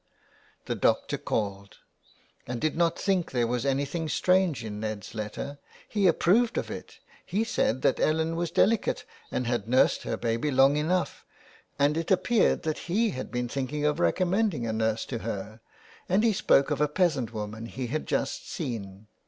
The doctor called. And did not think there was anything strange in Ned's letter. He approved of it ! He said that Ellen was delicate and had nursed her baby long enough, and it appeared that he had been thinking of recom mending a nurse to her, and he spoke of a peasant woman he had just seen.